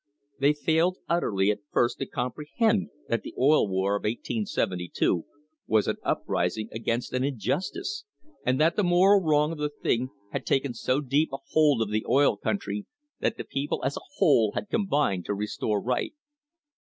They failed utterly at first Dmprehend that the Oil War of 1872 was an uprising ... THE HISTORY OF THE STANDARD OIL COMPANY against an injustice, and that the moral wrong of the thing had taken so deep a hold of the oil country that the people as a whole had combined to restore right.